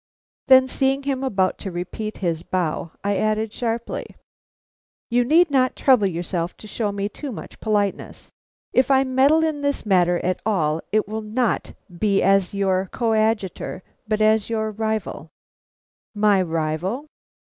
Then seeing him about to repeat his bow, I added sharply: "You need not trouble yourself to show me too much politeness. If I meddle in this matter at all it will not be as your coadjutor, but as your rival." "My rival?"